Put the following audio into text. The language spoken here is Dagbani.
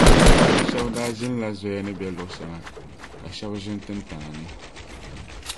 Bɛ shɛb’ daa ʒinila zoya ni be luɣ’ shɛŋa, ka shɛb’ ʒini tintana ni.